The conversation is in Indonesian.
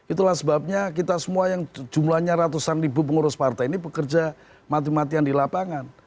itulah sebabnya kita semua yang jumlahnya ratusan ribu pengurus partai ini bekerja mati matian di lapangan